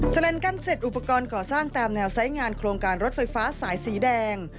แลนกั้นเสร็จอุปกรณ์ก่อสร้างตามแนวไซส์งานโครงการรถไฟฟ้าสายสีแดง